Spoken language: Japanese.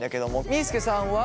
みーすけさんは。